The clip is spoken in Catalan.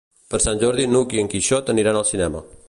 Per Sant Jordi n'Hug i en Quixot aniran al cinema.